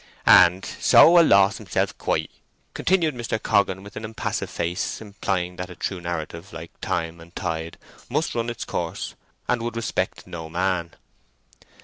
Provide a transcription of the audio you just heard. "—And so 'a lost himself quite," continued Mr. Coggan, with an impassive face, implying that a true narrative, like time and tide, must run its course and would respect no man.